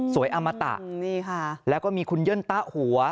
อมตะแล้วก็มีคุณเย่นตะหัว